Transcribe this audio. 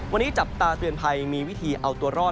วันนี้จับตาเตือนภัยมีวิธีเอาตัวรอด